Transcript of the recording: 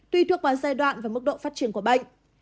tuy thuộc vào giai đoạn và mức độ phát triển của bệnh